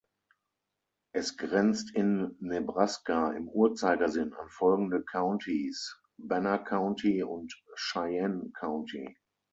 Es grenzt in Nebraska im Uhrzeigersinn an folgende Countys: Banner County und Cheyenne County.